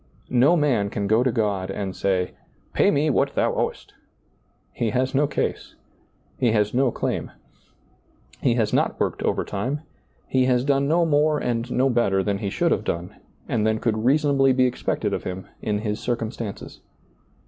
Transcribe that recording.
No man can go to God and say, " Pay me what Thou owest." He has no case, he has no claim ; he has not worked ^lailizccbvGoOgle THE UNPROFITABLE SERVANT 6s overtime, he has done no more and no better than he should have done, and than could reason ably be expected of him, in his circumstances.